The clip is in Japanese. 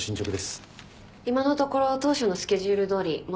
今のところ当初のスケジュールどおり問題なく進んでいます。